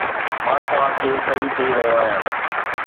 مان توهان کي صحيح چئي رهيو آهيان